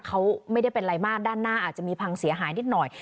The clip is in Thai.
เขาไม่ได้เป็นอะไรมากด้านหน้าอาจจะมีพังเสียหายนิดหน่อย